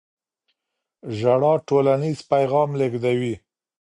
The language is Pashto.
ژړا ټولنیز پیغام لېږدوي.